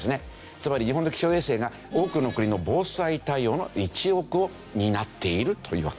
つまり日本の気象衛星が多くの国の防災対応の一翼を担っているというわけですね。